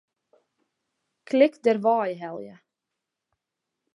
Klik Dêrwei helje.